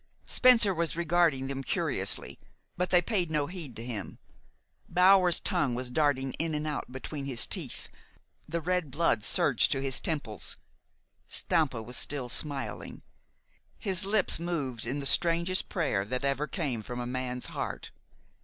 Spencer was regarding them curiously; but they paid no heed to him. Bower's tongue was darting in and out between his teeth. The red blood surged to his temples. Stampa was still smiling. His lips moved in the strangest prayer that ever came from a man's heart.